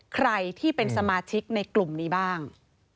ใครที่เป็นสมาชิกในกลุ่มนี้บ้าง